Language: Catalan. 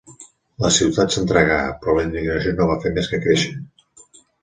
La ciutat s’entregà, però la indignació no va fer més que créixer.